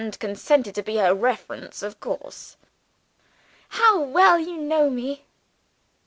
"And consented to be her reference, of course?" "How well you know me!"